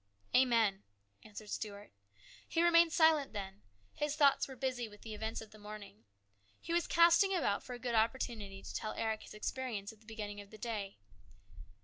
"Amen," answered Stuart. He remained silent then ; his thoughts were busy with the events of the morning. He was casting about for a good opportunity to tell Eric his experience at the 126 HIS BROTHER'S KEEPER. beginning of the day.